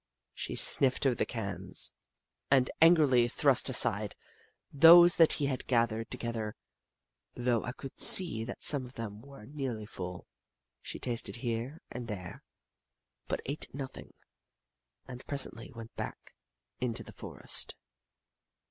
She sniffed over the cans, and angrily thrust 72 The Book of Clever Beasts aside those that he had gathered together, though I could see that some of them were nearly full. She tasted here and there, but ate nothing, and presently went back into the forest.